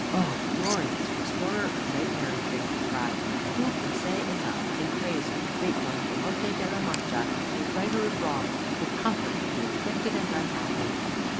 "O glorious restorer of knight errantry!" he cried, "who can say enough in praise of the great Don Quixote de la Mancha, the righter of wrongs, the comfort of the afflicted and unhappy?"